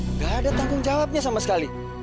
nggak ada tanggung jawabnya sama sekali